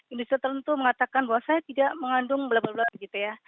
industri tentu mengatakan bahwa saya tidak mengandung blabla bla gitu ya